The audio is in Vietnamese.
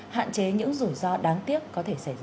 hạn chế những rủi ro đáng tiếc